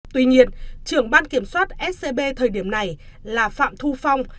tuy nhiên trưởng ban kiểm soát scb thời điểm này là phạm thu phong